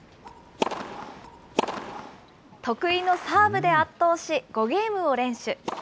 得意のサーブで圧倒し、５ゲームを連取。